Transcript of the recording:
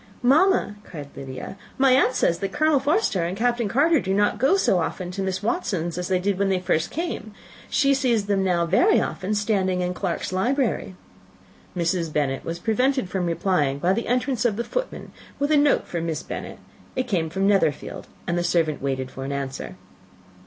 "Mamma," cried Lydia, "my aunt says that Colonel Forster and Captain Carter do not go so often to Miss Watson's as they did when they first came; she sees them now very often standing in Clarke's library." Mrs. Bennet was prevented replying by the entrance of the footman with a note for Miss Bennet; it came from Netherfield, and the servant waited for an answer.